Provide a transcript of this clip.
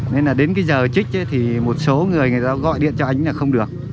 nên là đến cái giờ trích thì một số người người ta gọi điện cho anh là không được